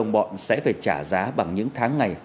bọn sẽ phải trả giá bằng những tháng ngày